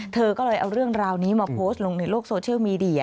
เธอก็เลยเอาเรื่องราวนี้มาโพสต์ลงในโลกโซเชียลมีเดีย